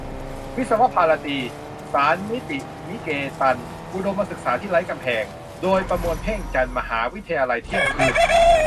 "วิศวภารตี-ศานตินิเกตัน : อุดมศึกษาที่ไร้กำแพง" โดย ประมวล เพ็งจันทร์ มหาวิทยาลัยเที่ยงคืน